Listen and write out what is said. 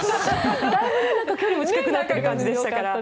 だいぶ距離も近くなっている感じでしたから。